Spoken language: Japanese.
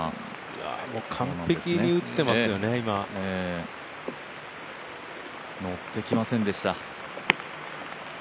完璧に打っていますよね、今乗ってきませんでした。